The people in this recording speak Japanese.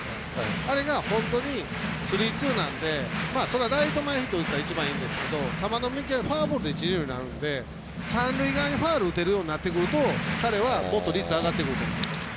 あれが本当にスリーツーなんでライト前ヒットを打ったら一番いいんですけど球の見極めフォアボールで自由になるので三塁側にファウル打てるようになると彼はもっと率上がってくると思います。